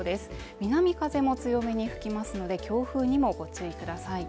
南風も強めに吹きますので強風にもご注意ください。